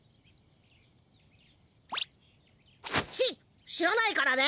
し知らないからね！